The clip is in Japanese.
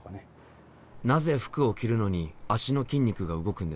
なぜ服を着るのに足の筋肉が動くんですか？